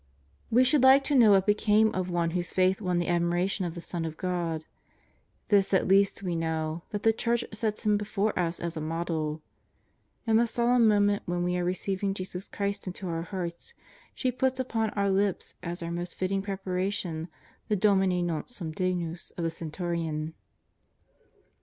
We should like to know what became of one whose faith won the admiration of the Son of God. This at least we know, that the Church sets him before us as a model. In the solemn moment wdien we are receiving Jesus Christ into our hearts, she puts upon our lips as our most fitting preparation the Domine, non sum dignus of the centurion.